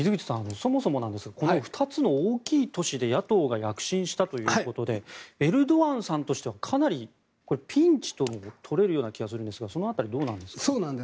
そもそも２つの大きい都市で野党が躍進したということでエルドアンさんとしてはかなりピンチとも取れるような気がするんですがその辺り、どうなんですか？